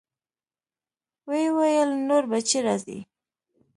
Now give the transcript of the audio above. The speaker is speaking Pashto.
ويې ويل نور به چې راځې.